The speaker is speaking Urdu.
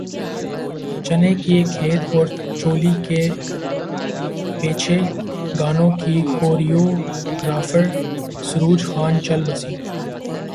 چنے کے کھیت اور چولی کے پیچھے گانوں کی کوریوگرافر سروج خان چل بسیں